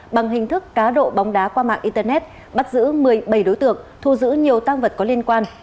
bằng hình thức cá độ bóng đá qua mạng internet bắt giữ một mươi bảy đối tượng thu giữ nhiều tăng vật có liên quan